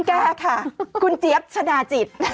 ต้องแก้ค่ะคุณเจี๊ยบชนะจิต